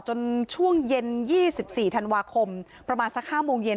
ช่วงเย็น๒๔ธันวาคมประมาณสัก๕โมงเย็น